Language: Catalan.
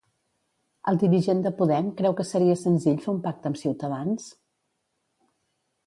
El dirigent de Podem creu que seria senzill fer un pacte amb Ciutadans?